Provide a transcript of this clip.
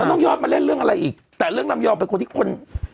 ต้องย้อนมาเล่นเรื่องอะไรอีกแต่เรื่องลำยองเป็นคนที่คน